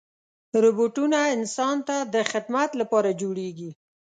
روبوټونه انسان ته د خدمت لپاره جوړېږي.